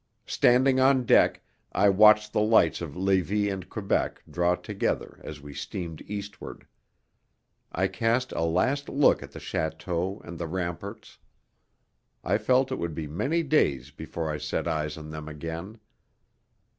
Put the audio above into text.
Standing on deck, I watched the lights of Levis and Quebec draw together as we steamed eastward. I cast a last look at the château and the ramparts. I felt it would be many days before I set eyes on them again.